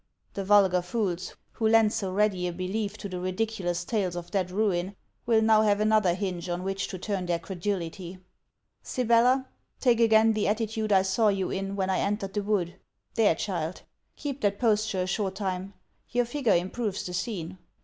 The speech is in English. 'The vulgar fools, who lend so ready a belief to the ridiculous tales of that Ruin, will now have another hinge on which to turn their credulity.' 'Sibella, take again the attitude I saw you in when I entered the wood. There, child; keep that posture a short time, your figure improves the scene.'